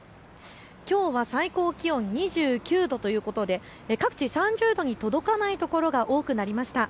きょうは最高気温２９度ということで各地３０度に届かない所が多くなりました。